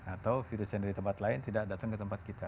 atau virus yang dari tempat lain tidak datang ke tempat kita